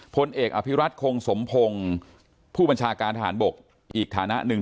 พลเอกอภิรัตคงสมพงศ์ผู้บัญชาการทหารบกอีกฐานะหนึ่ง